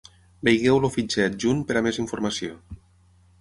Vegeu el fitxer adjunt per a més informació.